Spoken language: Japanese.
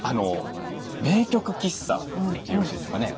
名曲喫茶といってよろしいんでしょうかね